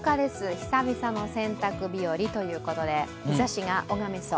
久々の洗濯日和ということで日ざしが拝めそう。